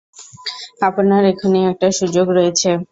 আপনার এখনই একটা সুযোগ রয়েছে।